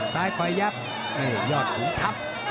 ซ้ายคอยยักยอดถุงทัพ